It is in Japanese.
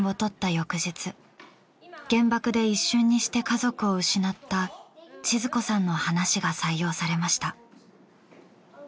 翌日原爆で一瞬にして家族を失ったちづ子さんの話が採用されました。